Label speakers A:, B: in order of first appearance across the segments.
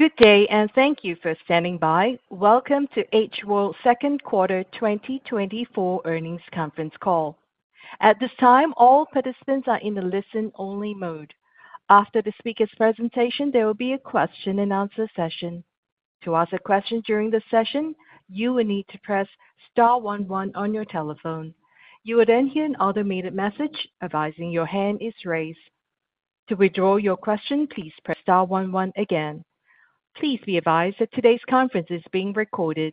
A: Good day and thank you for standing by. Welcome to H World second quarter 2024 earnings conference call. At this time, all participants are in a listen-only mode. After the speaker's presentation, there will be a question and answer session. To ask a question during the session, you will need to press star one one on your telephone. You will then hear an automated message advising your hand is raised. To withdraw your question, please press star one one again. Please be advised that today's conference is being recorded.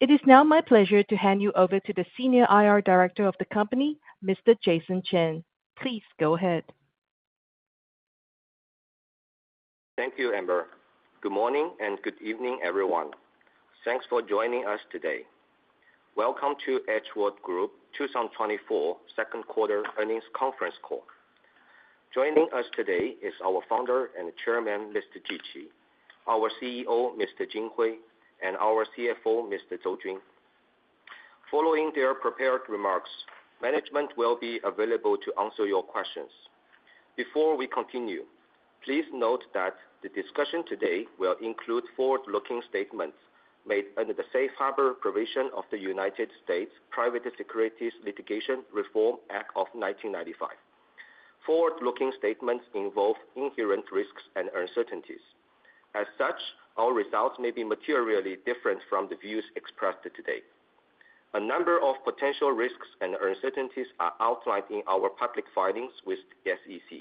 A: It is now my pleasure to hand you over to the Senior IR Director of the company, Mr. Jason Chen. Please go ahead.
B: Thank you, Amber. Good morning, and good evening everyone. Thanks for joining us today. Welcome to H World Group 2024 second quarter earnings conference call. Joining us today is our founder and chairman, Mr. Ji Qi, our CEO, Mr. Jin Hui, and our CFO, Mr. Zou Jun. Following their prepared remarks, management will be available to answer your questions. Before we continue, please note that the discussion today will include forward-looking statements made under the Safe Harbor provision of the United States Private Securities Litigation Reform Act of 1995. Forward-looking statements involve inherent risks and uncertainties. As such, our results may be materially different from the views expressed today. A number of potential risks and uncertainties are outlined in our public filings with the SEC.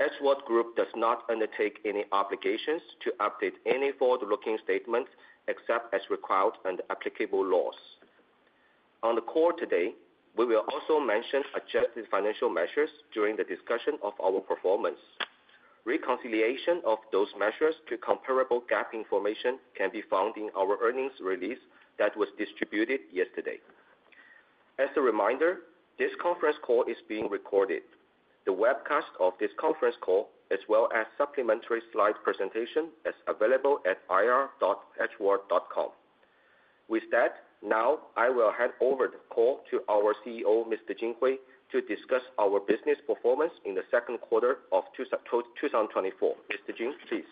B: H World Group does not undertake any obligations to update any forward-looking statements, except as required under applicable laws. On the call today, we will also mention adjusted financial measures during the discussion of our performance. Reconciliation of those measures to comparable GAAP information can be found in our earnings release that was distributed yesterday. As a reminder, this conference call is being recorded. The webcast of this conference call, as well as supplementary slide presentation, is available at ir.hworld.com. With that, now I will hand over the call to our CEO, Mr. Jin Hui, to discuss our business performance in the second quarter of 2024. Mr. Jin, please.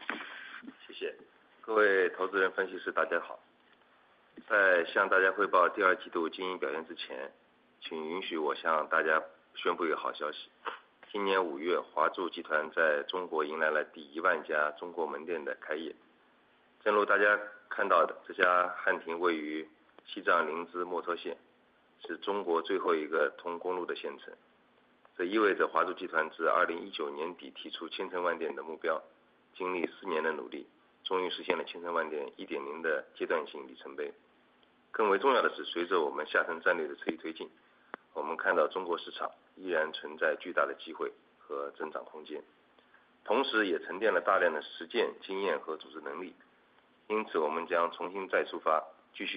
B: Hello,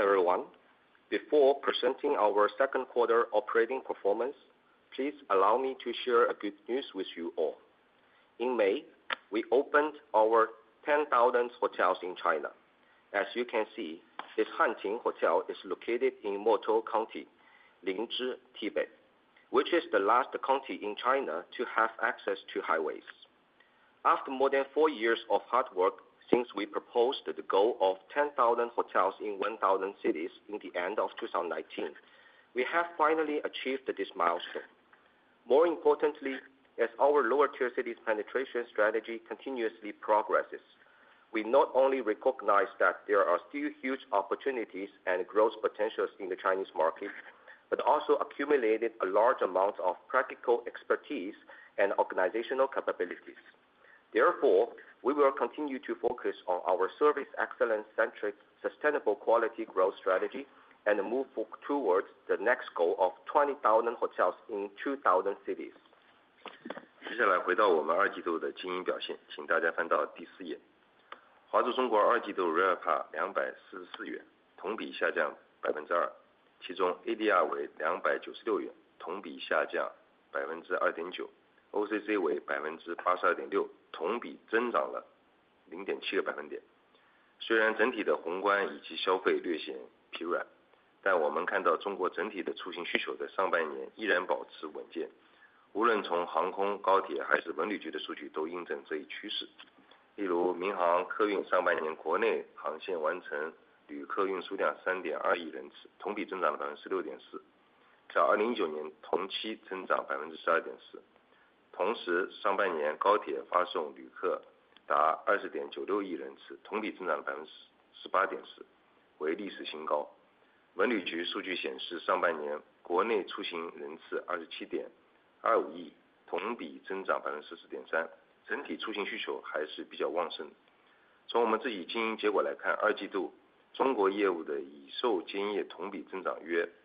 B: everyone. Before presenting our second quarter operating performance, please allow me to share a good news with you all. In May, we opened our 10,000 hotels in China. As you can see, this Hanting Hotel is located in Motuo County, Linzhi, Tibet, which is the last county in China to have access to highways. After more than four years of hard work since we proposed the goal of 10,000 hotels in 1,000 cities in the end of 2019, we have finally achieved this milestone. More importantly, as our lower tier cities penetration strategy continuously progresses, we not only recognize that there are still huge opportunities and growth potentials in the Chinese market,
C: period in 2019. At the same time, first half high-speed rail sent passengers reaching 2.096 billion person-times, up 18.4% year-over-year, a historical new high. Ministry of Culture and Tourism data shows, first half domestic travel person-times 2.725 billion, up 14.3% year-over-year, overall travel demand still relatively robust. From our own operating results, second quarter China business sold revenue up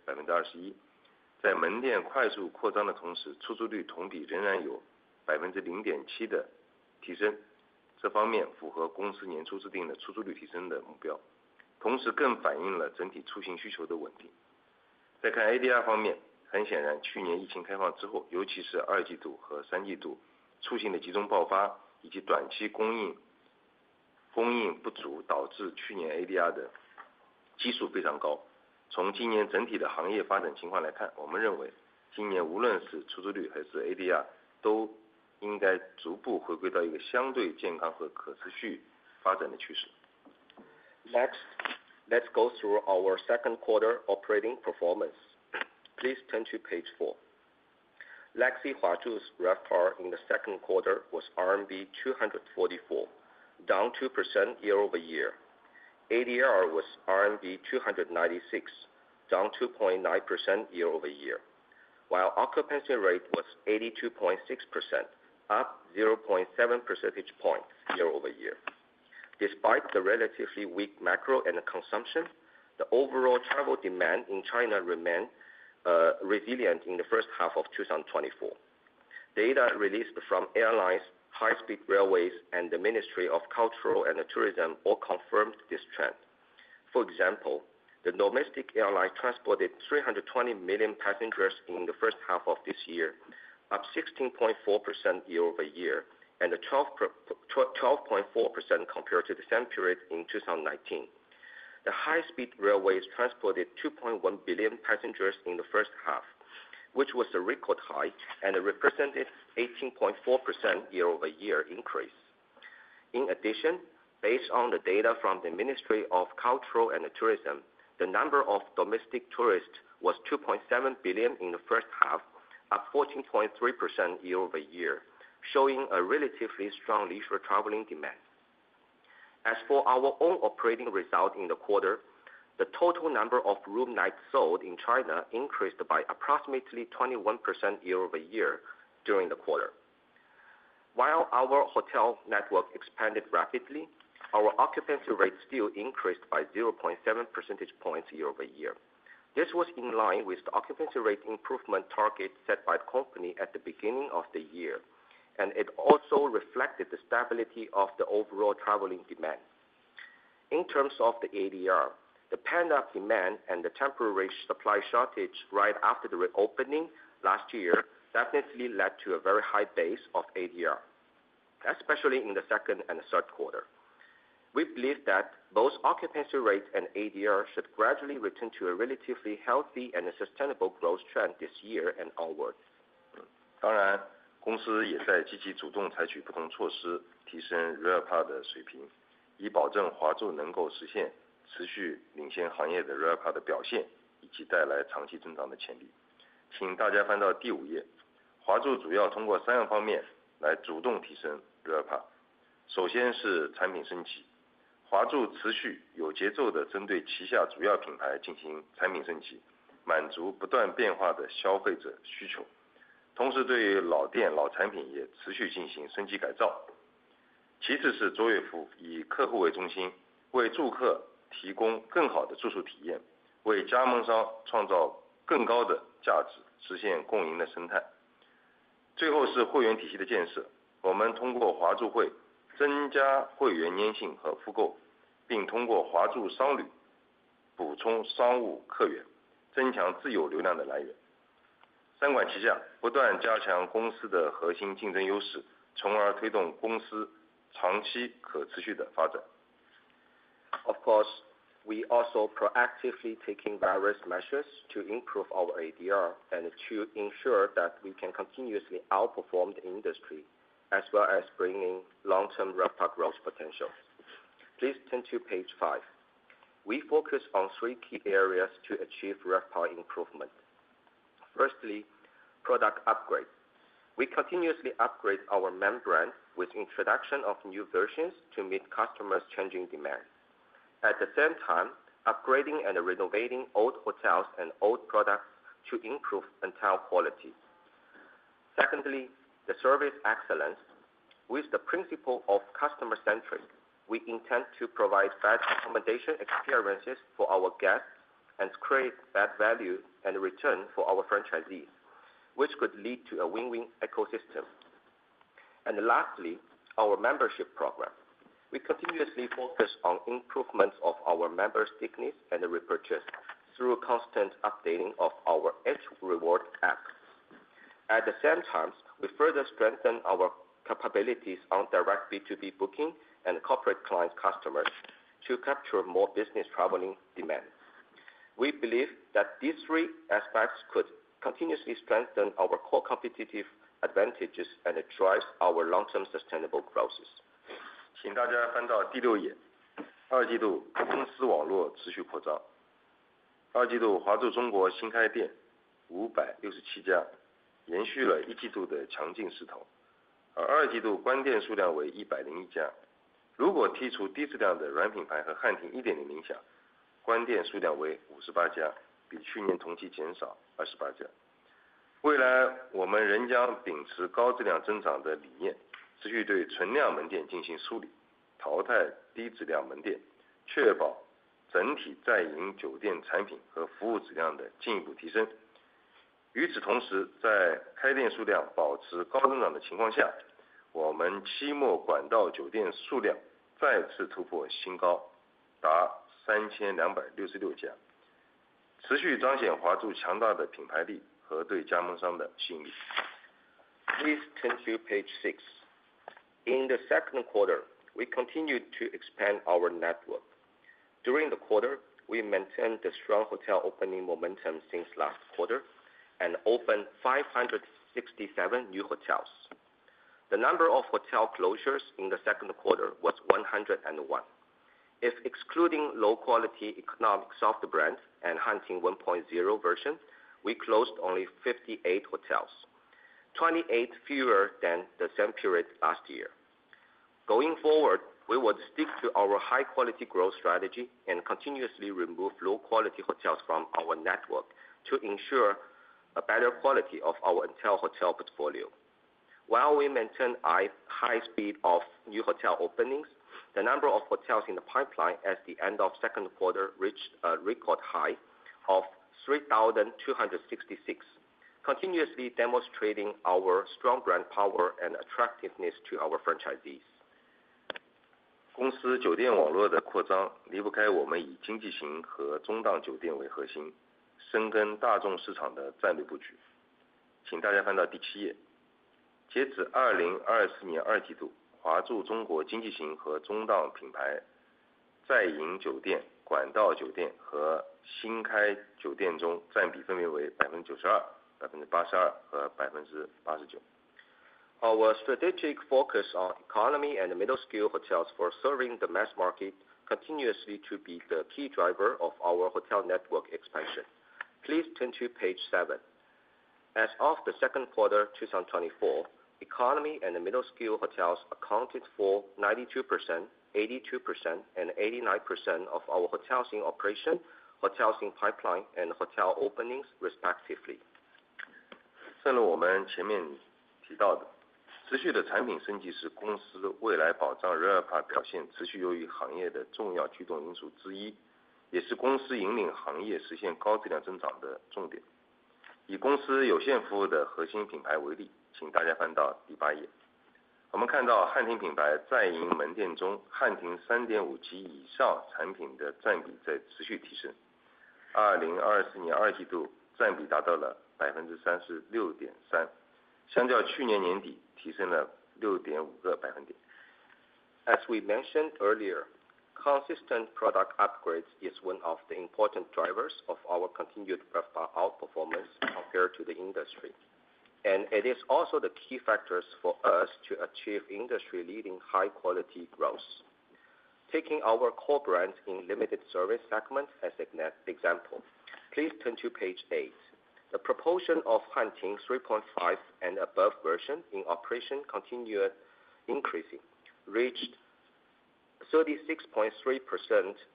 C: about 21% year-over-year. While stores rapidly expanding, occupancy rate year-over-year still had 0.7% increase, this aspect meets the company year-initial set occupancy rate increase target, at the same time more reflects the overall travel demand stability. Looking again at the ADR aspect, very obviously, last year after the epidemic opened, especially second quarter and third quarter, travel concentrated outbreak as well as short-term supply...... 供应不足，导致去年ADR的基数非常高。从今年整体的行业发展情况来看，我们认为今年无论是出租率还是ADR，都应该逐步回归到一个相对健康和可持续发展的趋势。
B: Next, let's go through our second quarter operating performance. Please turn to page four. Legacy Huazhu's RevPAR in the second quarter was RMB 244, down 2% year-over-year. ADR was RMB 296, down 2.9% year-over-year, while occupancy rate was 82.6%, up 0.7 percentage year-over-year. despite the relatively weak macro and consumption, the overall travel demand in China remained resilient in the first half of 2024. Data released from airlines, high speed railways and the Ministry of Culture and Tourism all confirmed this trend. For example, the domestic airlines transported 320 million passengers in the first half of this year, up 16.4% year-over-year, and 12.4% compared to the same period in 2019. The high speed railways transported 2.1 billion passengers in the first half, which was a record high and represented 18.4% year-over-year increase. In addition, based on the data from the Ministry of Culture and Tourism, the number of domestic tourists was 2.7 billion in the first half, up 14.3% year-over-year, showing a relatively strong leisure traveling demand. As for our own operating results in the quarter, the total number of room nights sold in China increased by approximately 21% year-over-year during the quarter. While our hotel network expanded rapidly, our occupancy rate still increased by 0.7% year-over-year. this was in line with the occupancy rate improvement target set by the company at the beginning of the year, and it also reflected the stability of the overall traveling demand. In terms of the ADR, the pent-up demand and the temporary supply shortage right after the reopening last year definitely led to a very high base of ADR, especially in the second and third quarter. We believe that both occupancy rates and ADR should gradually return to a relatively healthy and sustainable growth trend this year and onwards. Of course, we also proactively taking various measures to improve our ADR and to ensure that we can continuously outperform the industry, as well as bringing long term RevPAR growth potential. Please turn to page five. We focus on three key areas to achieve RevPAR improvement. Firstly, product upgrade. We continuously upgrade our main brand with introduction of new versions to meet customers changing demands, at the same time upgrading and renovating old hotels and old products to improve hotel quality. Secondly, the service excellence with the principle of customer centric, we intend to provide best accommodation experiences for our guests and create best value and return for our franchisees, which could lead to a win-win ecosystem, and lastly, our membership program, we continuously focus on improvements of our member stickiness and repurchase through constant updating of our H Rewards app. At the same time, we further strengthen our capabilities on direct B2B booking and corporate client customers to capture more business traveling demand. We believe that these three aspects could continuously strengthen our core competitive advantages and drive our long term sustainable growth.
C: 请大家翻到第六页。二季度公司网络持续扩张。二季度华住中国新开店五百六十七家，延续了一季度的强劲势头，而二季度关店数量为一百零一家。如果剔除低质量的软品牌和汉庭一点零影响，关店数量为五十八家，比去年同期减少二十八家。未来，我们仍将秉持高质量增长的理念，持续对存量门店进行梳理，淘汰低质量门店，确保整体在营酒店产品和服务质量的进一步提升。与此同时，在开店数量保持高增长的情况下，我们期末管道酒店数量再次突破新高，达三千两百六十六家。... 持续彰显华住强大的品牌力和对加盟商的吸引力。请
B: Turn to page 6. In the second quarter, we continued to expand our network. During the quarter, we maintained the strong hotel opening momentum since last quarter and opened 567 new hotels. The number of hotel closures in the second quarter was 101. If excluding low quality economic soft brands and Hanting 1.0 version, we closed only 58 hotels, 28 fewer than the same period last year. Going forward, we would stick to our high quality growth strategy and continuously remove low quality hotels from our network to ensure a better quality of our entire hotel portfolio. While we maintain a high speed of new hotel openings, the number of hotels in the pipeline at the end of second quarter reached a record high of 3,266 continuously demonstrating our strong brand power and attractiveness to our franchisees.
C: 公司酒店网络的扩张，离不开我们以经济型和中档酒店为核心，深耕大众市场的战略布局。请大家翻到第七页。截止2024年二季度，华住中国经济型和中档品牌，在营酒店、管道酒店和新开酒店中占比分别为92%、82%和89%。
B: Our strategic focus on economy and midscale hotels for serving the mass market continues to be the key driver of our hotel network expansion. Please turn to page seven. As of the second quarter, 2024, economy and mid-scale hotels accounted for 92%, 82%, and 89% of our hotels in operation, hotels in pipeline, and hotel openings, respectively. As we mentioned earlier, consistent product upgrades is one of the important drivers of our continued outperformance compared to the industry. And it is also the key factors for us to achieve industry-leading high-quality growth. Taking our core brands in limited-service segments as an example, please turn to page eight. The proportion of Hanting 3.5 and above version in operation continued increasing, reached 36.3%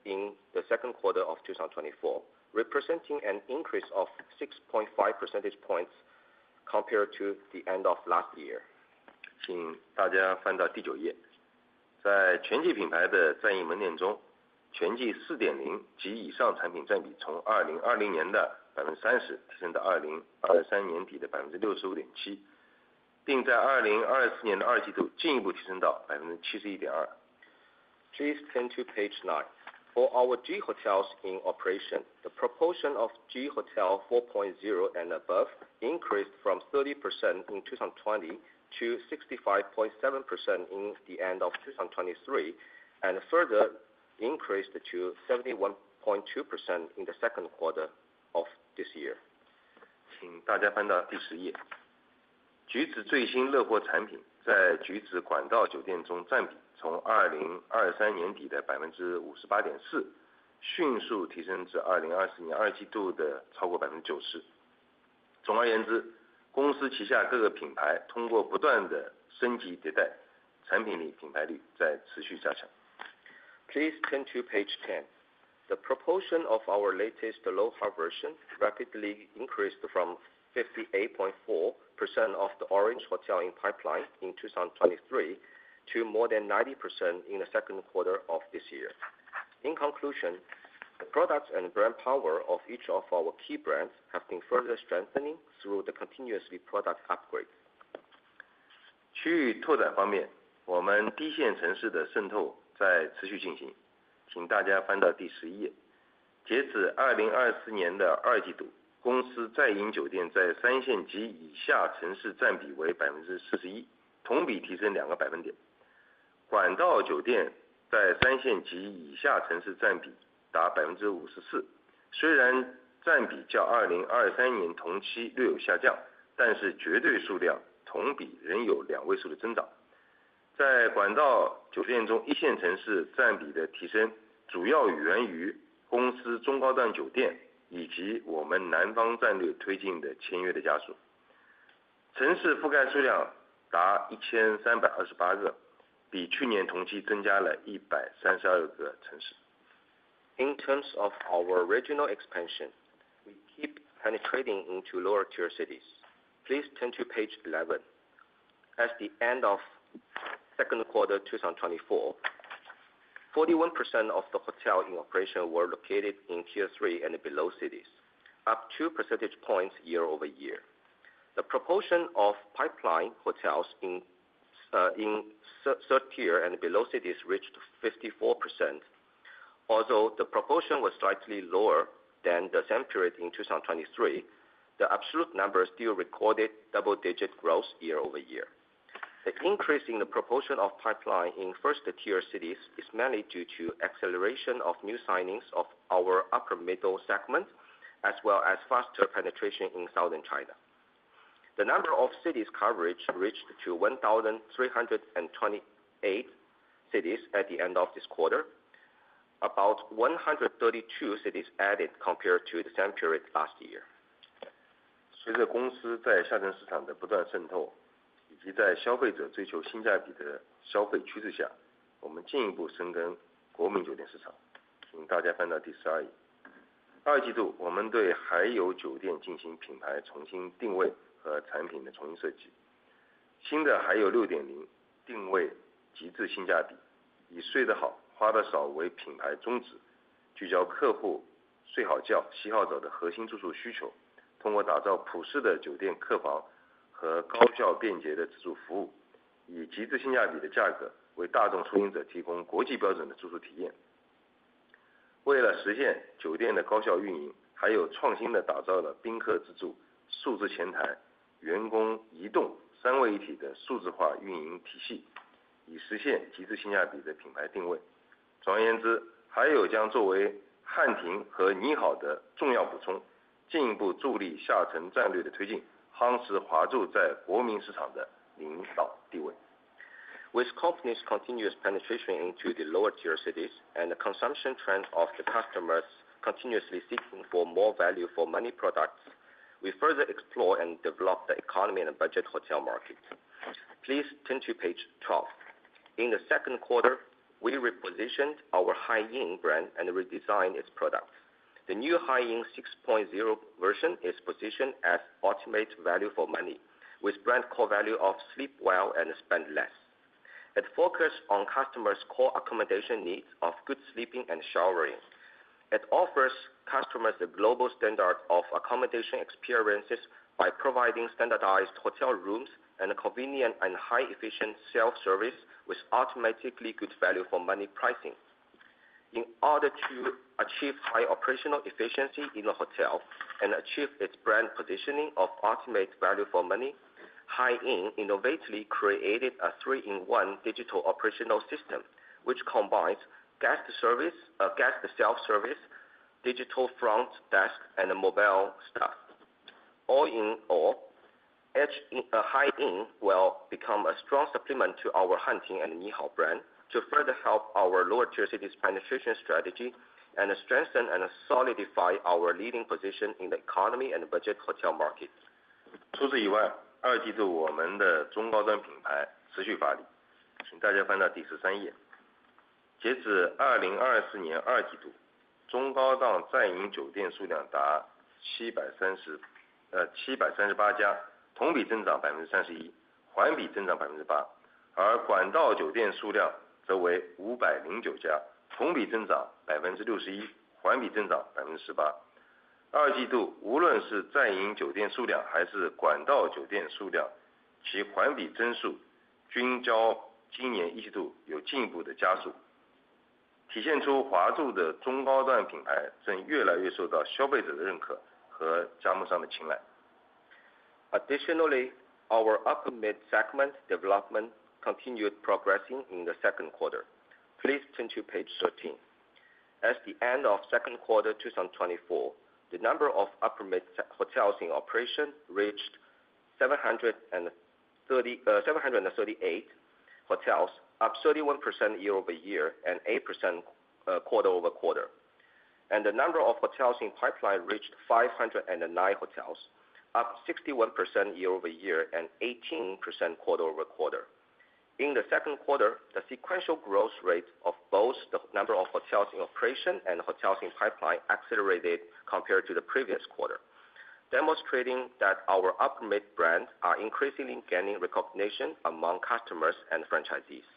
B: in the second quarter of 2024, representing an increase of 6.5 percentage points compared to the end of last year.
C: 请大家翻到第九页。在全季品牌的在营门店中，全季4.0及以上产品占比从2020年的百分之三十，提升到2023年底的百分之六十五点七，并在2024年二季度进一步提升到百分之七十一点二。请
B: Turn to page nine. For our Ji Hotels in operation, the proportion of Ji Hotel 4.0 and above increased from 30% in 2020 to 65.7% in the end of 2023, and further increased to 71.2% in the second quarter of this year。
C: 请大家翻到第十页。桔子最新乐活产品，在桔子管道酒店中占比从2023年底的百分之五十八点四，迅速提升至2024年二季度的超过百分之九十。总而言之，公司旗下各个品牌通过不断的升级迭代，产品力、品牌力在持续加强。请
B: turn to page 10.The proportion of our latest Lohas version rapidly increased from 58.4% of the Orange Hotel pipeline in 2023 to more than 90% in the second quarter of this year. In conclusion, the products and brand power of each of our key brands have been further strengthening through the continuous product upgrade. In terms of our regional expansion, we keep penetrating into lower tier cities. Please turn to page 11. At the end of second quarter, 2024, 41% of the hotel in operation were located in tier three and below cities, up two percentage points year-over-year. The proportion of pipeline hotels in third tier and below cities reached 54%. Although the proportion was slightly lower than the same period in 2023, the absolute number still recorded double digit growth year-over-year. The increase in the proportion of pipeline in first tier cities is mainly due to acceleration of new signings of our upper middle segment, as well as faster penetration in southern China. The number of cities coverage reached to 1,328 cities at the end of this quarter. About 132 cities added compared to the same period last year.
C: 随着公司在下沉市场的不断渗透，以及在消费者追求性价比的消费趋势下，我们进一步深耕国民酒店市场。请大家翻到第十二页。二季度，我们对海友酒店进行品牌重新定位和产品的重新设计。新的海友6.0定位极致性价比，以睡得好，花得少为品牌宗旨，聚焦客户睡好觉、洗好澡的核心住宿需求，通过打造普适的酒店客房和高效便捷的自助服务，以极致性价比的价格，为大众出行者提供国际标准的住宿体验。为了实现酒店的高效运营，海友创新地打造了宾客自助、数字前台、员工移动三位一体的数字化运营体系，以实现极致性价比的品牌定位。总而言之，海友将作为汉庭和呢好的重要补充，进一步助力下沉战略的推进，夯实华住在国民市场的领导地位。
B: With the company's continuous penetration into the lower tier cities and the consumption trends of the customers continuously seeking for more value for many products, we further explore and develop the economy and budget hotel market. Please turn to page 12. In the second quarter, we repositioned our Haiyou brand and redesigned its products. The new Haiyou 6.0 version is positioned as ultimate value for money, with brand core value of sleep well and spend less. It focus on customers' core accommodation needs of good sleeping and showering. It offers customers a global standard of accommodation experiences by providing standardized hotel rooms and convenient and high efficient self-service, with automatically good value for money pricing. In order to achieve high operational efficiency in the hotel, and achieve its brand positioning of ultimate value for money, Haiyou innovatively created a three-in-one digital operational system, which combines guest service, guest self-service, digital front desk, and mobile staff. All in all, Haiyou will become a strong supplement to our Hanting and Ni Hao brand, to further help our lower tier cities penetration strategy and strengthen and solidify our leading position in the economy and budget hotel market.
C: 除此之外，第二季度我们的中高端品牌持续发力。请大家翻到第十三页。截至二零二四年第二季度，中高端在营酒店数量达七百三十。738家，同比增长31%，环比增长8%，而管线酒店数量则为509家，同比增长61%，环比增长18%。二季度无论是在营酒店数量还是管线酒店数量，其环比增速均较今年一季度有进一步的加速，体现出华住的中高端品牌正越来越受到消费者的认可和加盟商的青睐。
B: Additionally, our upper midscale segment development continued progressing in the second quarter. Please turn to page 13. At the end of second quarter 2024, the number of upper midscale hotels in operation reached 738 hotels, up 31% year-over-year and 8% quarter-over-quarter, and the number of hotels in pipeline reached 509 hotels, up 61% year-over-year and 18% quarter-over-quarter. In the second quarter, the sequential growth rate of both the number of hotels in operation and hotels in pipeline accelerated compared to the previous quarter, demonstrating that our upper midscale brands are increasingly gaining recognition among customers and franchisees.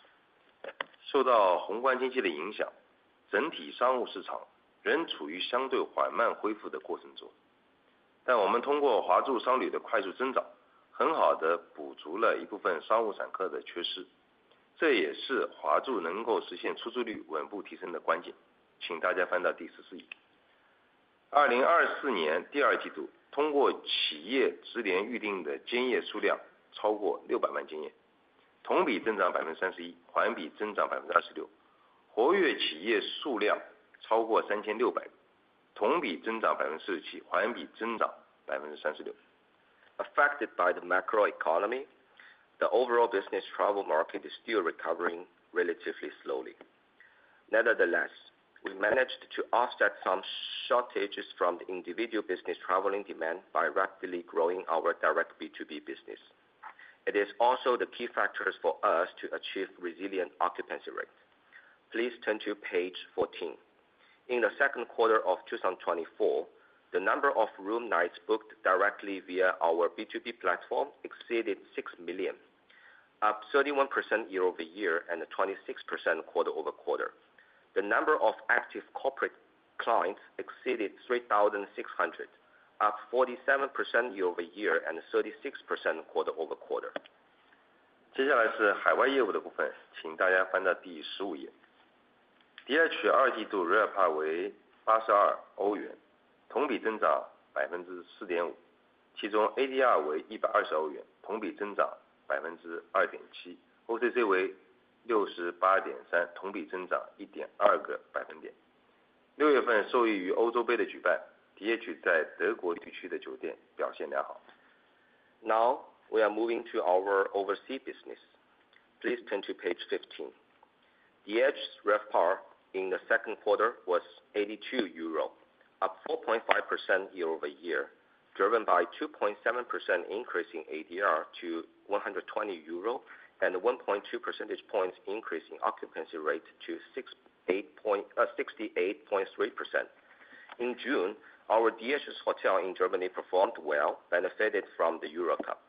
B: Affected by the macroeconomy, the overall business travel market is still recovering relatively slowly. Nevertheless, we managed to offset some shortages from the individual business traveling demand by rapidly growing our direct B2B business. It is also the key factors for us to achieve resilient occupancy rate. Please turn to page fourteen. In the second quarter of 2024, the number of room nights booked directly via our B2B platform exceeded six million. up 31% year-over-year, and 26% quarter-over-quarter. The number of active corporate clients exceeded 3,600, up 47% year-over-year, and 36% quarter-over-quarter.
C: 接下来是海外业务的部分，请大家翻到第十五页。DH 二季度 RevPAR 为 EUR 82，同比增长 4.5%，其中 ADR 为 EUR 120，同比增长 2.7%，OCC 为 68.3%，同比增长 1.2 个百分点。六月份受益于欧洲杯的举办，DH 在德国地区的酒店表现良好。
B: Now, we are moving to our overseas business. Please turn to page 15. DH's RevPAR in the second quarter was 82 euro, up 4.5% year-over-year, driven by 2.7% increase in ADR to 120 euro, and 1.2 percentage points increase in occupancy rate to 68.3%. In June, our DH's hotel in Germany performed well, benefited from the Euro Cup.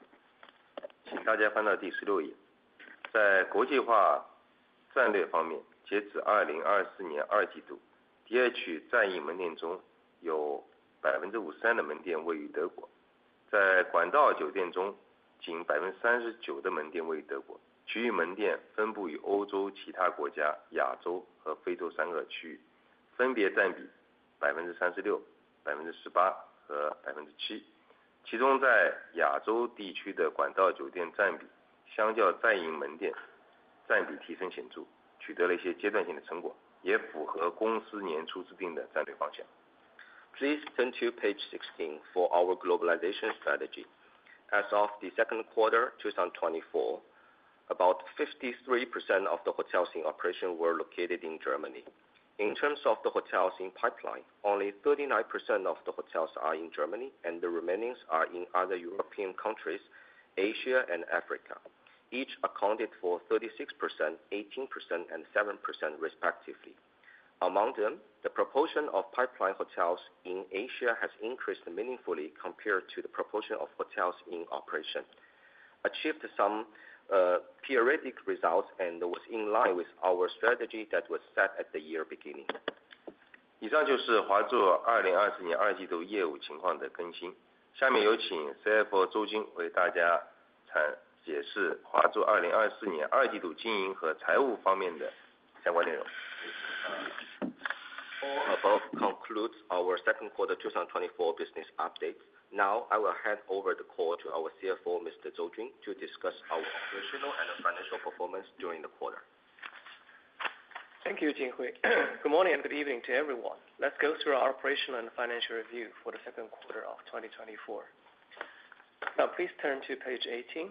B: turn to page 16 for our globalization strategy. As of the second quarter, 2024, about 53% of the hotels in operation were located in Germany. In terms of the hotels in pipeline, only 39% of the hotels are in Germany, and the remaining are in other European countries, Asia, and Africa. Each accounted for 36%, 18%, and 7% respectively. Among them, the proportion of pipeline hotels in Asia has increased meaningfully compared to the proportion of hotels in operation, achieved some periodic results, and was in line with our strategy that was set at the year beginning.
C: 以上就是华住二零二四年第二季度业务情况的更新。下面有请CFO邹钧为大家解读华住二零二四年第二季度经营和财务方面的相关内容。
B: The above concludes our second quarter 2024 business update. Now, I will hand over the call to our CFO, Mr. Zou Jun, to discuss our operational and financial performance during the quarter.
D: Thank you, Jin Hui. Good morning, and good evening to everyone. Let's go through our operational and financial review for the second quarter of 2024. Now, please turn to page 18.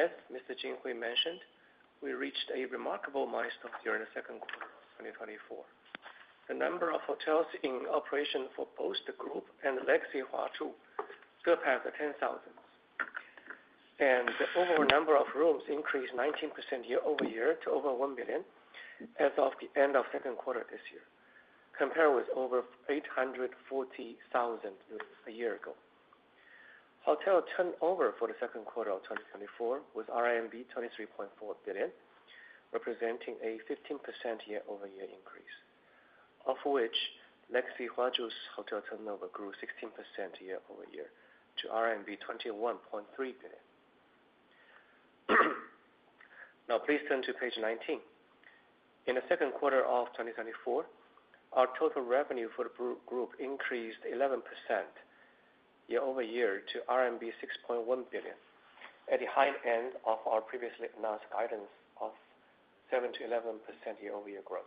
D: As Mr. Jin Hui mentioned, we reached a remarkable milestone here in the second quarter of 2024. The number of hotels in operation for both the group and Legacy Huazhu surpassed 10,000, and the overall number of rooms increased 19% year-over-year to over 1 million as of the end of second quarter this year, compared with over 840,000 rooms a year ago. Hotel turnover for the second quarter of 2024 was 23.4 billion, representing a 15% year-over-year increase, of which Legacy Huazhu's hotel turnover grew 16% year-over-year to RMB 21.3 billion. Now, please turn to page 19. In the second quarter of 2024, our total revenue for the group increased 11% year-over-year to RMB 6.1 billion, at the high end of our previously announced guidance of 7%-11% year-over-year growth.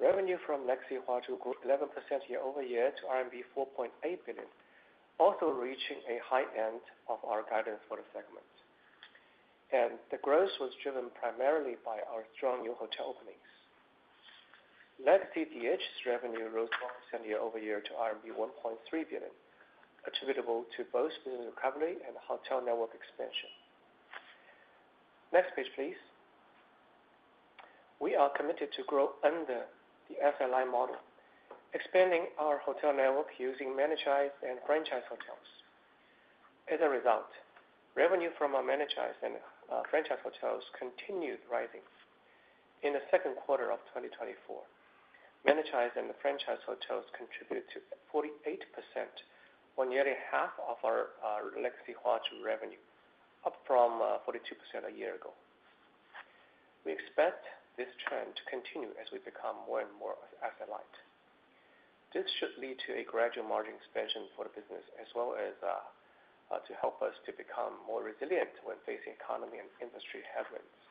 D: Revenue from Legacy Huazhu grew 11% year-over-year to RMB 4.8 billion, also reaching a high end of our guidance for the segment. The growth was driven primarily by our strong new hotel openings. Legacy DH's revenue rose 20% year-over-year to RMB 1.3 billion, attributable to both business recovery and hotel network expansion. Next page, please. We are committed to grow under the asset-light model, expanding our hotel network using managed and franchise hotels. As a result, revenue from our managed and franchise hotels continued rising. In the second quarter of 2024, managed and the franchise hotels contributed to 48% or nearly half of our Legacy Huazhu revenue, up from 42% a year ago. We expect this trend to continue as we become more and more asset-light. This should lead to a gradual margin expansion for the business, as well as to help us to become more resilient when facing economy and industry headwinds.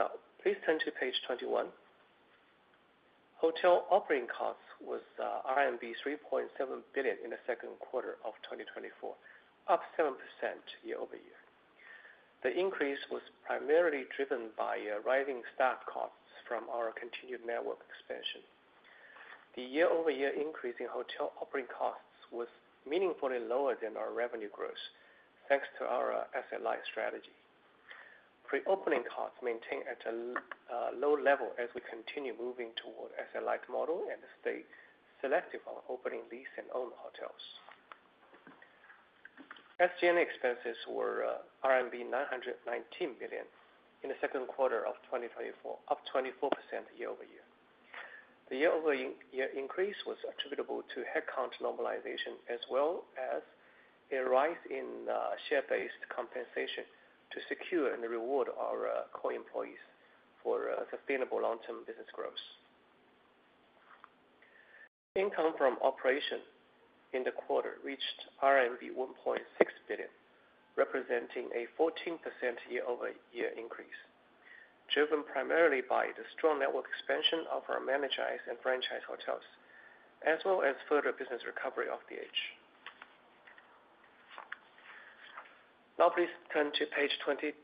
D: Now, please turn to page 21. Hotel operating costs was RMB 3.7 billion in the second quarter of 2024, up 7% year-over-year. The increase was primarily driven by a rising staff costs from our continued network expansion. The year-over-year increase in hotel operating costs was meaningfully lower than our revenue growth, thanks to our asset-light strategy. Pre-opening costs maintained at a low level as we continue moving toward asset-light model and stay selective on opening, lease, and own hotels. SG&A expenses were RMB 919 billion in the second quarter of 2024, up 24% year-over-year. The year-over-year increase was attributable to headcount normalization, as well as a rise in share-based compensation to secure and reward our core employees for sustainable long-term business growth. Income from operation in the quarter reached RMB 1.6 billion, representing a 14% year-over-year increase, driven primarily by the strong network expansion of our managed and franchise hotels, as well as further business recovery of DH. Now, please turn to page 22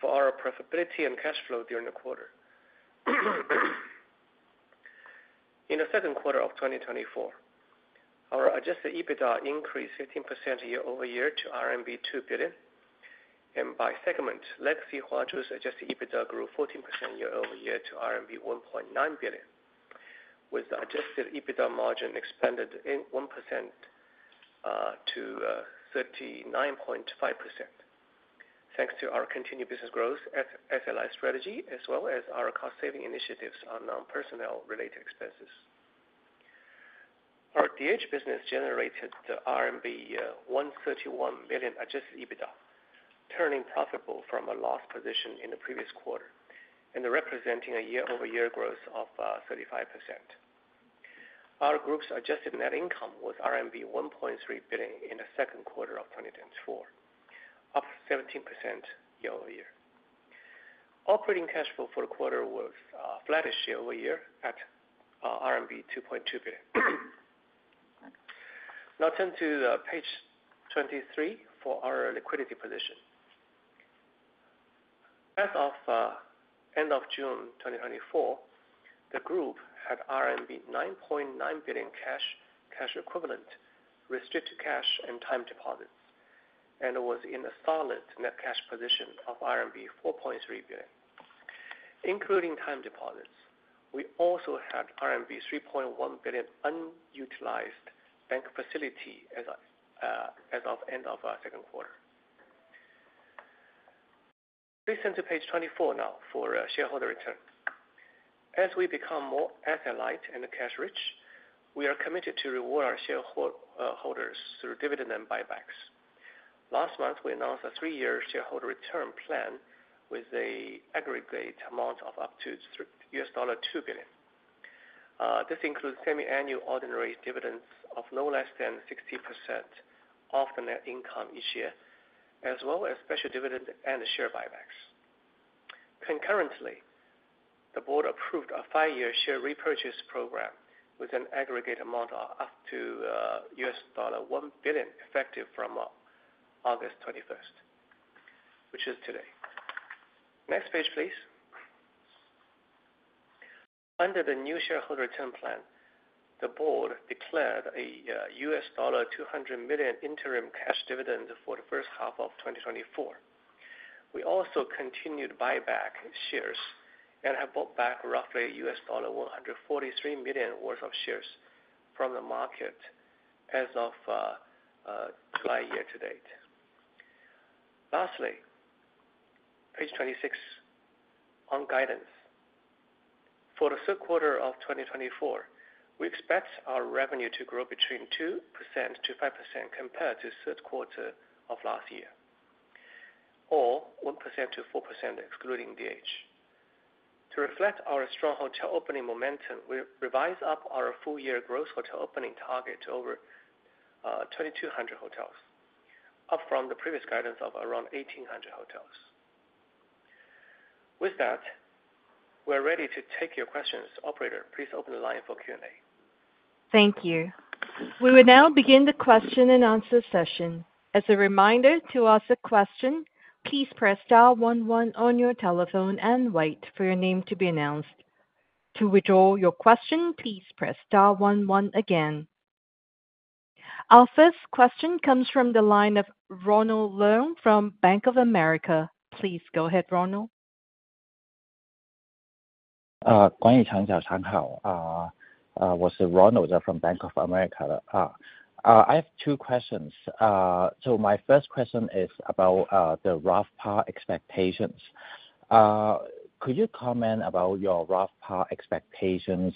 D: for our profitability and cash flow during the quarter. In the second quarter of 2024, our Adjusted EBITDA increased 15% year-over-year to RMB 2 billion. By segment, Legacy Huazhu's adjusted EBITDA grew 14% year-over-year to RMB 1.9 billion, with the adjusted EBITDA margin expanded by 1% to 39.5%. Thanks to our continued business growth at asset-light strategy, as well as our cost saving initiatives on non-personnel related expenses. Our DH business generated RMB 131 million adjusted EBITDA, turning profitable from a loss position in the previous quarter, and representing a year-over-year growth of 35%. Our group's adjusted net income was RMB 1.3 billion in the second quarter of 2024, up 17% year-over-year. Operating cash flow for the quarter was flattish year-over-year at RMB 2.2 billion. Now turn to page 23 for our liquidity position. As of end of June 2024, the group had RMB 9.9 billion cash, cash equivalents, restricted cash, and time deposits, and was in a solid net cash position of RMB 4.3 billion. Including time deposits, we also had RMB 3.1 billion unutilized bank facility as of end of second quarter. Please turn to page 24 now for a shareholder return. As we become more asset-light and cash-rich, we are committed to reward our shareholders through dividend and buybacks. Last month, we announced a three-year shareholder return plan with an aggregate amount of up to $2 billion. This includes semi-annual ordinary dividends of no less than 60% of the net income each year, as well as special dividend and the share buybacks. Concurrently, the board approved a five-year share repurchase program with an aggregate amount of up to $1 billion, effective from August 21st, which is today. Next page, please. Under the new shareholder return plan, the board declared a $200 million interim cash dividend for the first half of 2024. We also continued to buy back shares and have bought back roughly $143 million worth of shares from the market as of July year-to-date. Lastly, page 26, on guidance. For the third quarter of 2024, we expect our revenue to grow between 2%-5% compared to third quarter of last year, or 1%-4%, excluding DH. To reflect our strong hotel opening momentum, we revise up our full-year growth hotel opening target to over 2,200 hotels, up from the previous guidance of around 1,800 hotels. With that, we're ready to take your questions. Operator, please open the line for Q&A.
A: Thank you. We will now begin the question and answer session. As a reminder, to ask a question, please press star one one on your telephone and wait for your name to be announced. To withdraw your question, please press star one one again. Our first question comes from the line of Ronald Leung from Bank of America. Please go ahead, Ronald.
E: Ronald Leung from Bank of America. I have two questions, so my first question is about the RevPAR expectations. Could you comment about your RevPAR expectations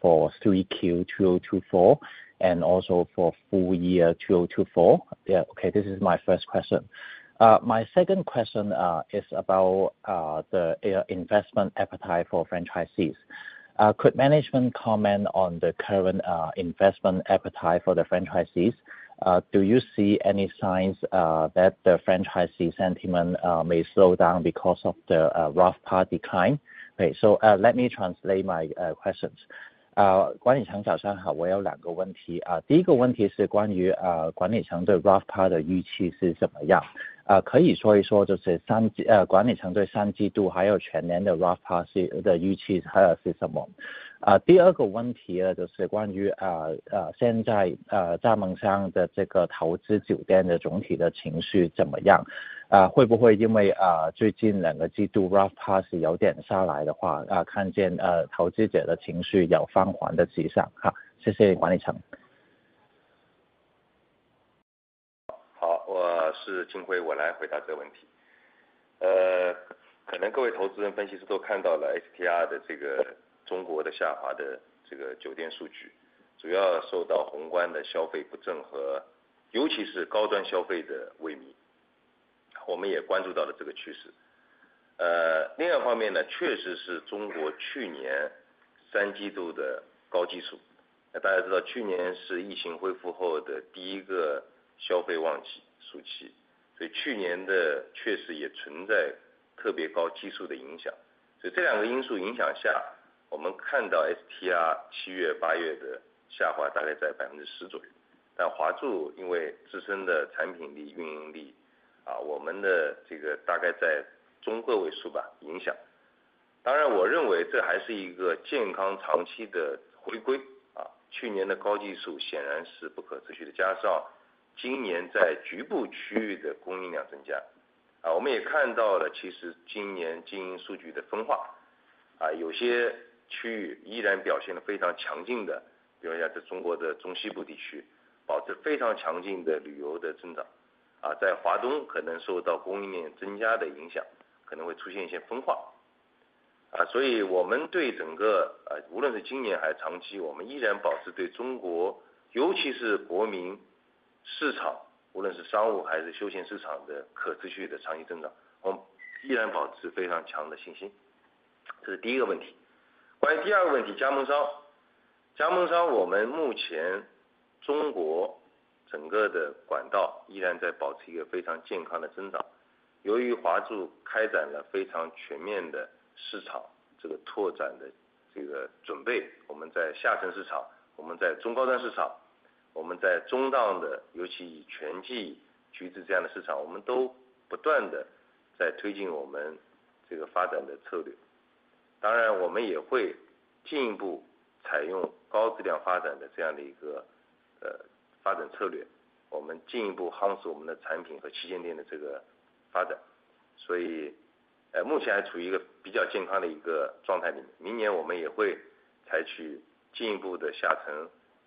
E: for 3Q 2024, and also for full year 2024? Yeah, okay, this is my first question. My second question is about the investment appetite for franchisees. Could management comment on the current investment appetite for the franchisees? Do you see any signs that the franchisee sentiment may slow down because of the RevPAR decline? Okay, so let me translate my questions. Uh,... 第二个问题呢，就是关于，现在，加盟商的这个投资酒店的总体情绪怎么样？会不会因为，最近两个季度 RevPAR 是有点下来的话，看见，投资者的情绪有放缓的迹象。好，谢谢王逸成。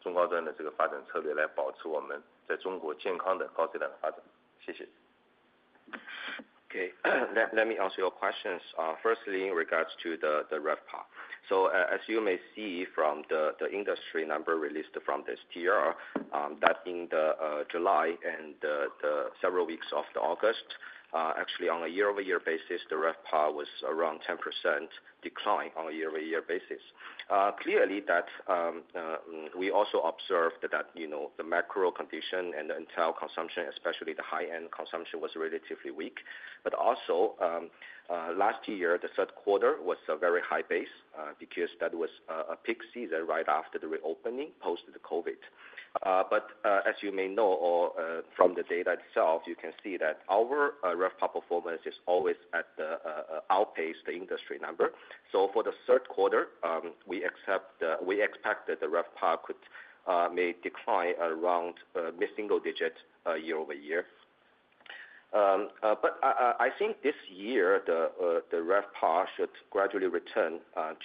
B: Okay, let me answer your questions. Firstly, in regards to the RevPAR, so, as you may see from the industry number released from the STR, that in the July and the several weeks of the August, actually on a year-over-year basis, the RevPAR was around 10% decline on a year-over-year basis. Clearly that we also observed that, you know, the macro condition and the entire consumption, especially the high-end consumption, was relatively weak. But also, last year, the third quarter was a very high base, because that was a peak season right after the reopening post the COVID. But, as you may know, or, from the data itself, you can see that our RevPAR performance is always outpaces the industry number. So for the third quarter, we accept, we expect that the RevPAR could may decline around mid single digit year-over-year. But I think this year the RevPAR should gradually return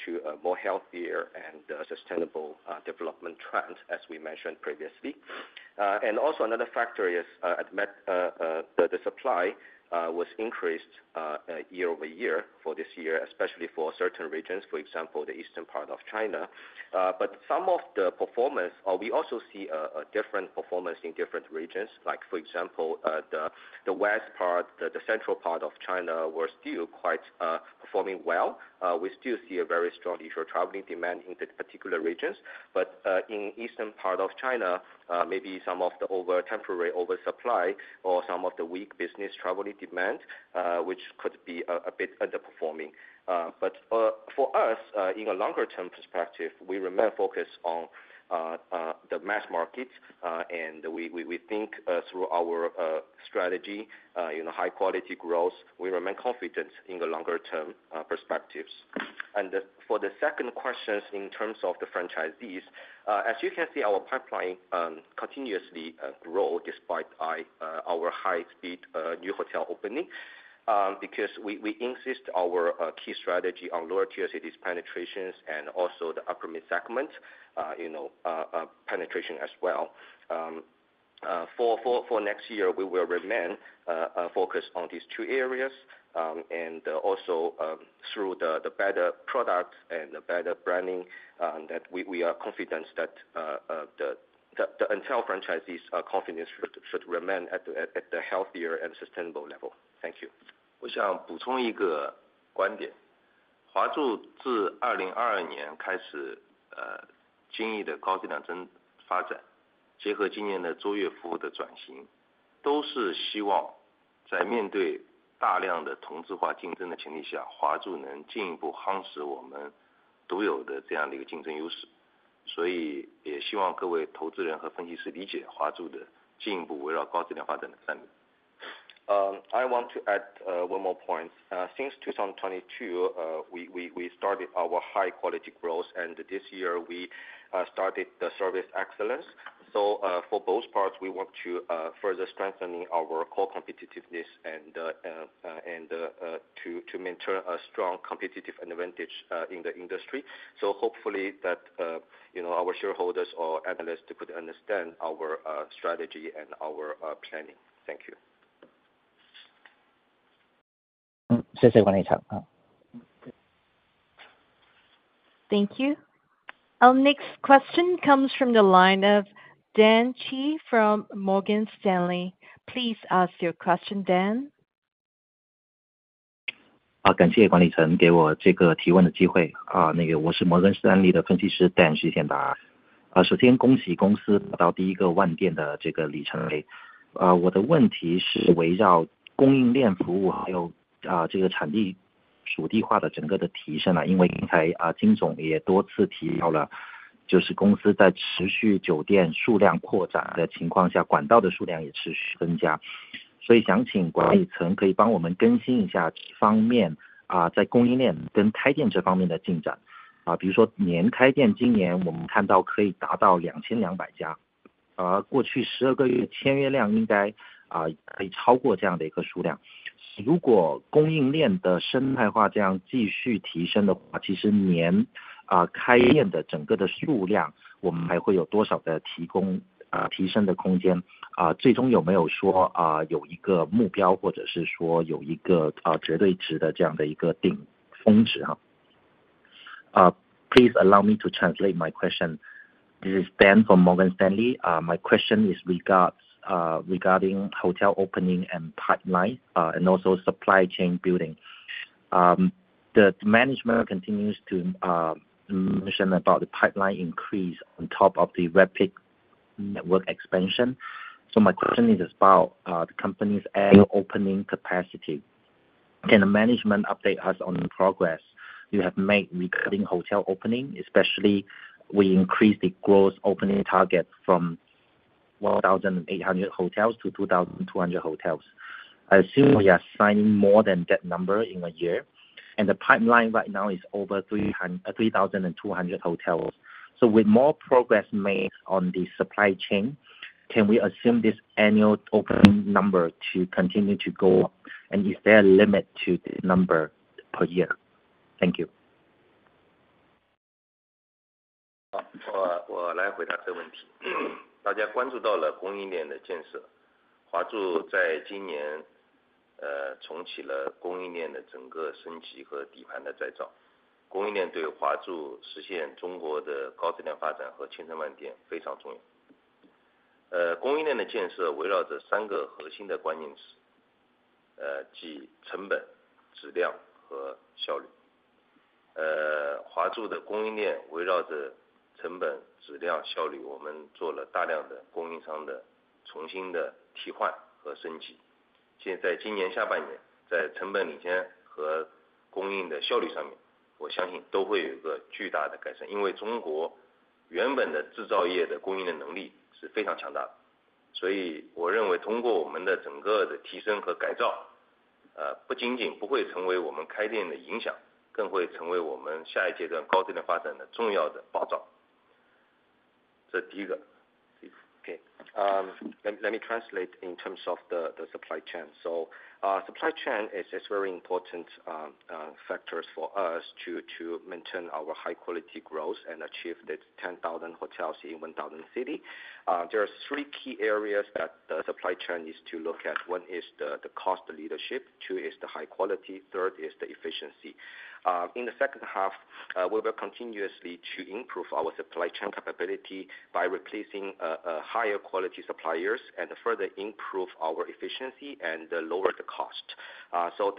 B: to a more healthier and sustainable development trend, as we mentioned previously. And also another factor is, amid the supply was increased year-over-year for this year, especially for certain regions, for example, the eastern part of China. But some of the performance, we also see a different performance in different regions like for example, the west part, the central part of China were still quite performing well. We still see a very strong leisure traveling demand in the particular regions, but in eastern part of China, maybe some of the temporary oversupply or some of the weak business traveling demand, which could be a bit underperforming. But for us, in a longer term perspective, we remain focused on the mass market, and we think, through our strategy, you know, high quality growth, we remain confident in the longer term perspectives. For the second question, in terms of the franchisees, as you can see, our pipeline continuously grow despite our high speed new hotel opening, because we insist on our key strategy on lower tier cities penetrations and also the upper mid segment, you know, penetration as well. For next year, we will remain focused on these two areas, and also through the better products and better branding, that we are confident that the internal franchisees' confidence should remain at the healthier and sustainable level. Thank you. I want to add one more point, since 2022, we started our high quality growth, and this year we started the service excellence. So, for both parts, we want to further strengthening our core competitiveness and to maintain a strong competitive advantage in the industry. So hopefully that, you know, our shareholders or analysts could understand our strategy and our planning. Thank you.
E: 谢谢管理层，啊。
A: Thank you. Our next question comes from the line of Dan Qi from Morgan Stanley. Please ask your question, Dan.
F: 感谢管理层给我这个提问的机会，我是摩根士丹利的分析师Dan allow me to translate my question. This is Dan from Morgan Stanley. My question is regarding hotel opening and pipeline, and also supply chain building. The management continues to mention about the pipeline increase on top of the rapid network expansion. So my question is about the company's annual opening capacity. Can the management update us on the progress you have made regarding hotel opening? Especially we increase the growth opening target from 1,800 hotels -2,200 hotels. I assume we are signing more than that number in a year, and the pipeline right now is over 3,200 hotels. So with more progress made on the supply chain, can we assume this annual opening number to continue to go up? And is there a limit to the number per year? Thank you.
B: OK, let me translate in terms of the supply chain. So, supply chain is very important factors for us to maintain our high quality growth and achieve the 10,000 hotels in 1,000 city. There are three key areas that the supply chain needs to look at. One is the cost leadership, two is the high quality, third is the efficiency. In the second half, we will continuously to improve our supply chain capability by replacing higher quality suppliers, and further improve our efficiency and lower the cost. So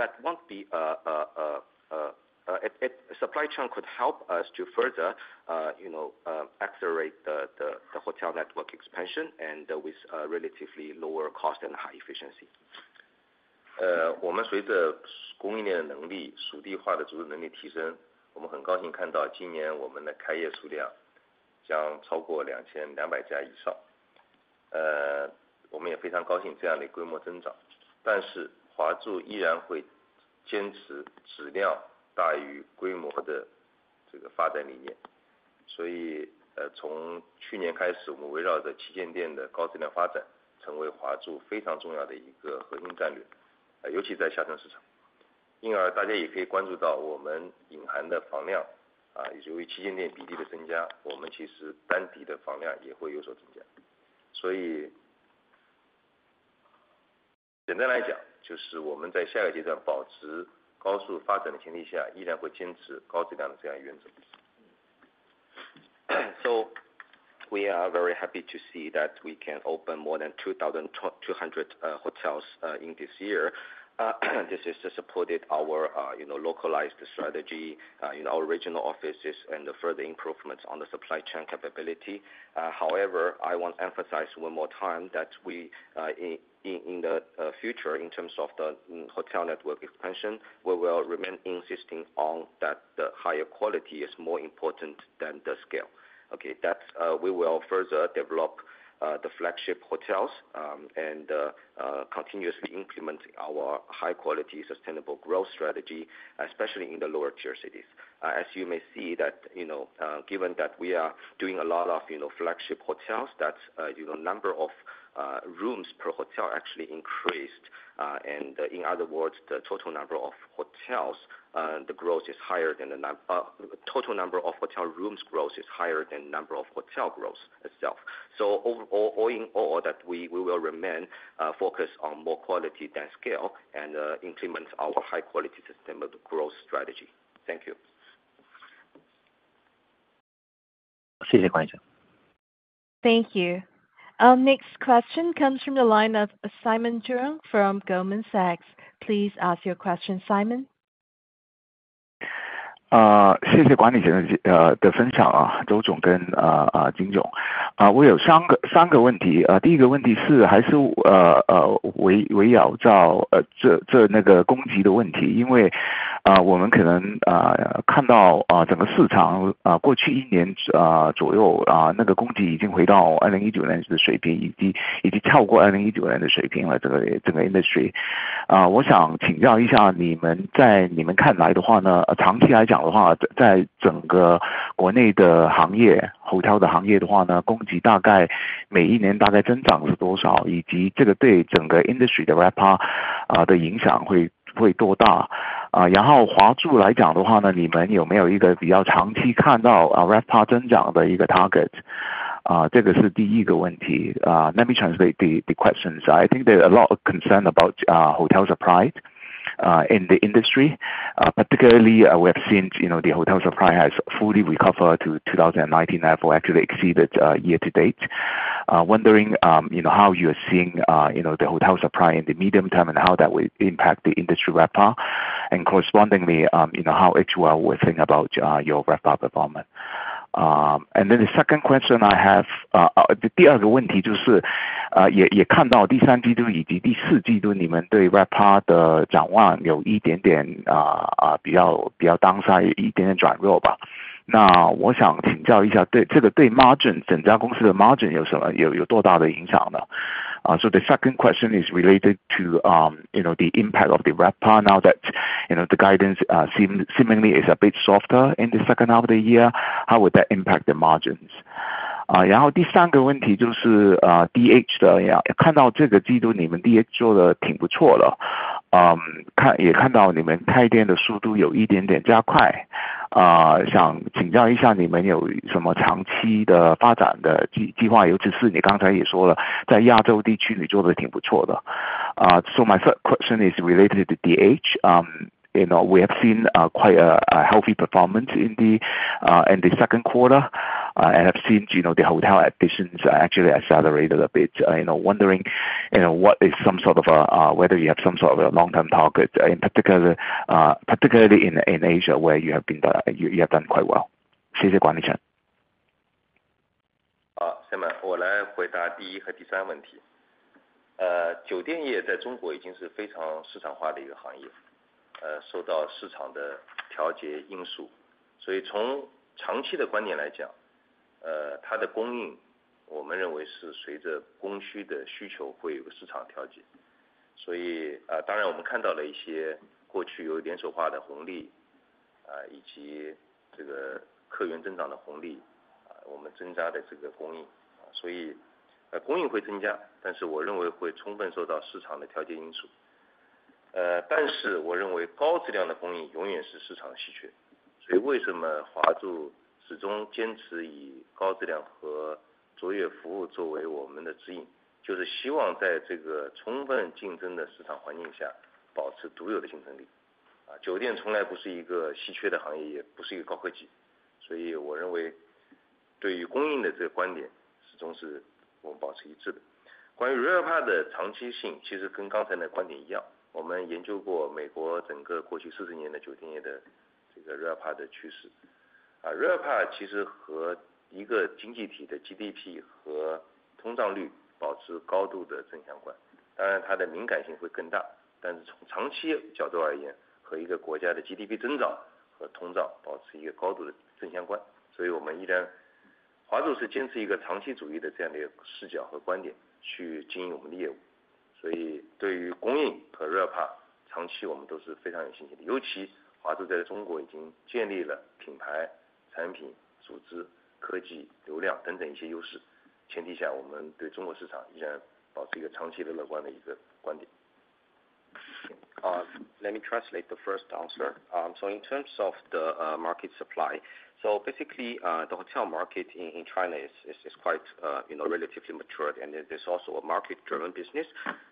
B: supply chain could help us to further, you know, accelerate the hotel network expansion and with relatively lower cost and high efficiency. So we are very happy to see that we can open more than 2,200 hotels in this year. This is to supported our, you know, localized strategy in our regional offices and the further improvements on the supply chain capability. However, I want to emphasize one more time that we in the future, in terms of the hotel network expansion, we will remain insisting on that the higher quality is more important than the scale. OK, that's we will further develop the flagship hotels, and continuously implementing our high quality, sustainable growth strategy, especially in the lower tier cities. As you may see that, you know, given that we are doing a lot of, you know, flagship hotels, that, you know, number of rooms per hotel actually increased. And in other words, the total number of hotel rooms growth is higher than number of hotel growth itself. So overall, all in all, that we will remain focused on more quality than scale and implement our high quality sustainable growth strategy. Thank you.
F: 谢谢管理层。
A: Thank you. Our next question comes from the line of Simon Cheung from Goldman Sachs. Please ask your question, Simon.
G: 谢谢管理层的分享，周总跟金总。我有三个问题，第一个问题是还是围绕供给的问题，因为，我们可能看到，整个市场，过去一年左右，那个供给已经回到2019年的水平，以及跳过2019年的水平了，这个，整个industry。我想请教一下，你们在你们看来呢，长期来讲的话，在整个国内的行业，酒店的行业的话呢，供给大概每年大概增长是多少，以及这个对整个industry的RevPAR的影响会，会多大？然后华住来讲的话呢，你们有没有一个比较长期看到，RevPAR增长的一个target？这个是第一个问题。Let me translate the question. I think there are a lot of concern about hotel supply in the industry. Particularly, we have seen, you know, the hotel supply has fully recovered to 2019 level, actually exceeded year to date. Wondering, you know, how you are seeing, you know, the hotel supply in the medium term and how that will impact the industry RevPAR, and correspondingly, you know, how HL will think about your RevPAR development. And then the second question I have. 第二个问题是，也看到第三季度以及第四季度，你们对RevPAR的展望有一点点，比较down，也一点点下降吧。那我想请教一下，这个对margin，整个公司的margin有什么，多大的影响呢？ So the second question is related to, you know, the impact of the RevPAR, now that, you know, the guidance seemingly is a bit softer in the second half of the year. How would that impact the margins? 然后第三个问题是，DH的，也看到这个季度你们DH做得挺不错的，也看到你们开店的速度有一点点加快，想请教一下你们有什么长期的发展计划，特别是你刚才也说了，在亚洲地区你做得挺不错的。So my third question is related to DH. You know, we have seen quite a healthy performance in the second quarter, and I've seen, you know, the hotel additions are actually accelerated a bit. You know, wondering, you know, what is some sort of whether you have some sort of a long-term target, in particular, particularly in Asia, where you have been, you have done quite well. 谢谢管理层。
C: 好，Simon，我来回答第一和第三问题。酒店业在中国已经是非常市场化的一个行业，受到市场的调节因素。所以从长期的观点来讲，它的供应我们认为会随着供需的需求会有个市场调节。所以，当然我们看到了一些过去有一点手滑的红利，以及这个客源增长的红利，我们增加的这个供应，所以，供应会增加，但是我认为会充分受到市场的调节因素。但是我认为高质量的供应永远是市场稀缺。所以为什么华住始终坚持以高质量和卓越服务作为我们的指引，就是希望在这个充分竞争的市场环境保持独有的竞争力。酒店从来不是一个稀缺的行业，也不是一个高科技，所以我认为对于供应的这个观点始终是我们保持一致的。关于RevPAR的长期性，其实跟刚才的观点一样，我们研究过美国整个过去四十年的酒店业的这个RevPAR的趋势。RevPAR其实和一个经济体的GDP和通胀率保持高度的正相关，当然它的敏感性会更大，但是从长期角度而言，和一个国家的GDP增长和通胀保持一个高度的正相关，所以我们依然，华住是坚持一个长期主义这样的一个视角和观点去经营我们的业务。所以对于供应和RevPAR，长期我们都是非常有信心的，尤其华住在中已经建立了品牌、产品、组织、科技、流量等等一些优势前提下，我们对中国市场依然保持一个长期的乐观的一个观点。Let me translate the first answer. So in terms of the market supply, basically, the hotel market in China is quite, you know, relatively mature and it is also a market-driven business.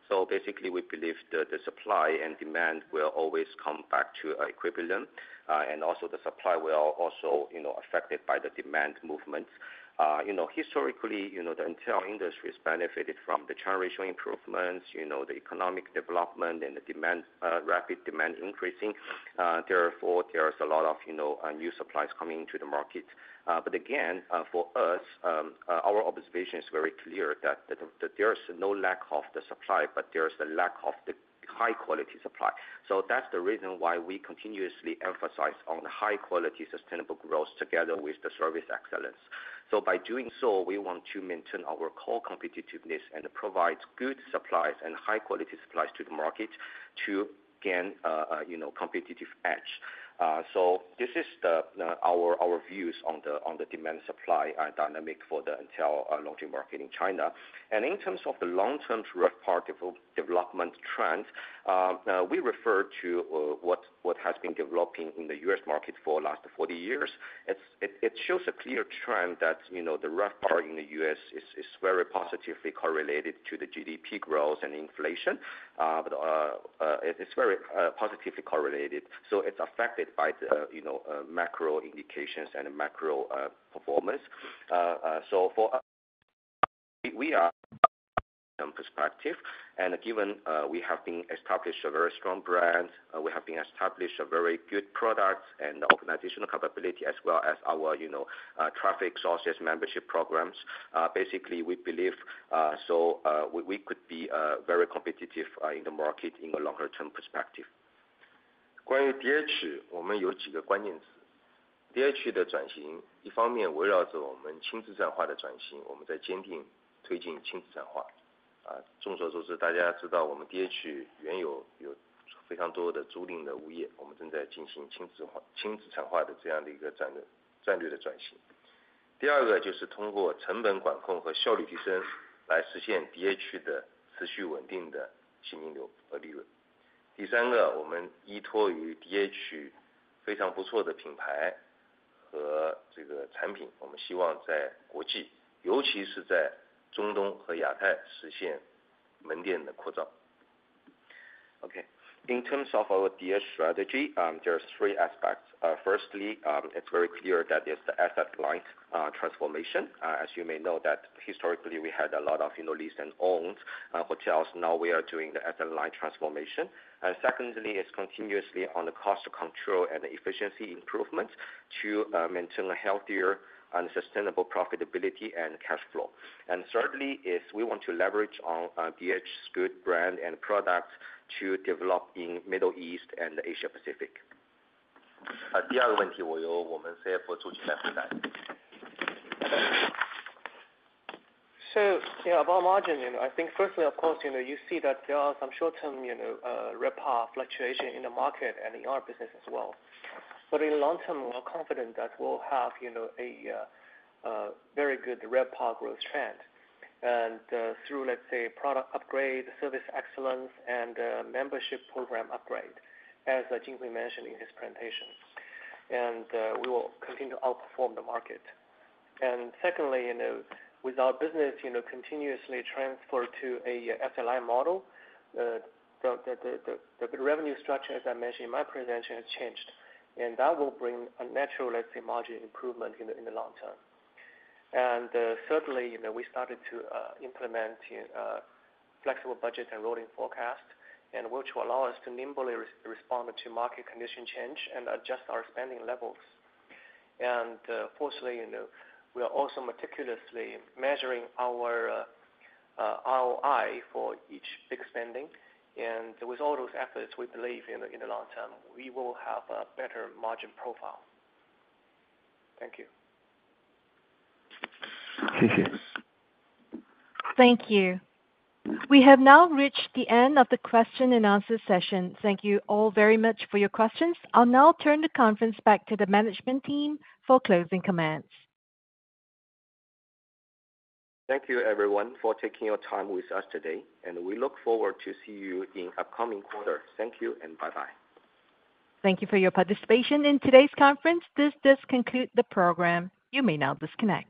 C: So basically, we believe the supply and demand will always come back to a equilibrium, and also the supply will also, you know, affected by the demand movement. You know, historically, you know, the entire industry has benefited from the China RevPAR improvements, you know, the economic development and the demand, rapid demand increasing. Therefore, there is a lot of, you know, new supplies coming into the market. But again, for us, our observation is very clear that there is no lack of the supply, but there is a lack of the- high quality supply. So that's the reason why we continuously emphasize on high quality, sustainable growth together with the service excellence. So by doing so, we want to maintain our core competitiveness and provide good supplies and high quality supplies to the market to gain, you know, competitive edge. So this is our views on the demand supply dynamic for the hotel lodging market in China. And in terms of the long-term RevPAR development trend, we refer to what has been developing in the U.S. market for the last forty years. It shows a clear trend that, you know, the RevPAR in the U.S. is very positively correlated to the GDP growth and inflation. But it’s very positively correlated, so it’s affected by the, you know, macro indications and the macro performance. So for us, we are positive, and given we have established a very strong brand, we have established a very good product and organizational capability, as well as our, you know, traffic sources, membership programs. Basically, we believe, so we could be very competitive in the market in a longer term perspective.
B: Okay. In terms of our DH strategy, there are three aspects. Firstly, it's very clear that there's the asset light transformation. As you may know, that historically, we had a lot of, you know, leased and owned hotels. Now we are doing the asset light transformation. And secondly, it's continuously on the cost control and efficiency improvements to maintain a healthier and sustainable profitability and cash flow. And certainly is we want to leverage on DH's good brand and product to develop in Middle East and Asia Pacific.
D: So, yeah, about margin, you know, I think firstly, of course, you know, you see that there are some short-term, you know, RevPAR fluctuation in the market and in our business as well. But in long term, we are confident that we'll have, you know, a very good RevPAR growth trend. And through, let's say, product upgrade, service excellence, and membership program upgrade, as Jin Hui mentioned in his presentation, and we will continue to outperform the market. And secondly, you know, with our business, you know, continuously transfer to an asset-light model, the revenue structure, as I mentioned in my presentation, has changed. And that will bring a natural, let's say, margin improvement in the long term. Certainly, you know, we started to implement flexible budget and rolling forecast, which will allow us to nimbly respond to market condition change and adjust our spending levels. And, firstly, you know, we are also meticulously measuring our ROI for each big spending. And with all those efforts, we believe in the long term we will have a better margin profile. Thank you.
G: Thank you.
A: Thank you. We have now reached the end of the question and answer session. Thank you all very much for your questions. I'll now turn the conference back to the management team for closing comments.
B: Thank you, everyone, for taking your time with us today, and we look forward to see you in upcoming quarter. Thank you and bye-bye.
A: Thank you for your participation in today's conference. This does conclude the program. You may now disconnect.